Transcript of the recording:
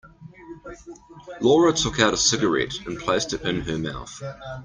Laura took out a cigarette and placed it in her mouth.